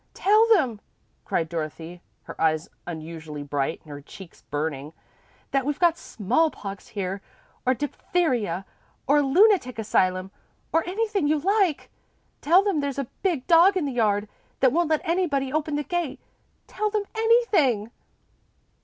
"Tell them," cried Dorothy her eyes unusually bright and her cheeks burning, "that we've got smallpox here, or diphtheria, or a lunatic asylum, or anything you like. Tell them there's a big dog in the yard that won't let anybody open the gate. Tell them anything!"